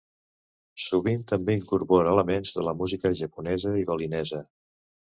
Sovint també incorpora elements de la música japonesa i balinesa.